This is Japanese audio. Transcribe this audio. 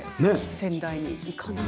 仙台に行かない。